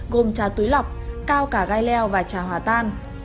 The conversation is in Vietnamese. gồm trà túi lọc cao cả gai leo và trà hòa tan